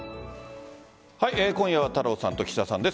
今夜は太郎さんと岸田さんです。